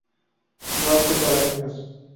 No apto para niños